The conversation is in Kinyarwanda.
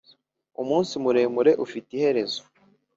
umunsi muremure ufite iherezo.